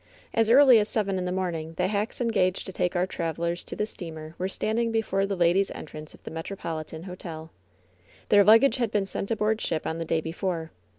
As early as seven in the morning the hacks en gaged to take our travelers to the steamer were standing before the ladies' entrance of the Metropolitan Hotel. Their luggage had been sent aboard ship on the day before.